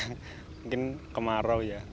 mungkin kemarau ya